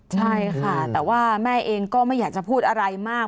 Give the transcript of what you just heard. ใช่ค่ะแต่ว่าแม่เองก็ไม่อยากจะพูดอะไรมาก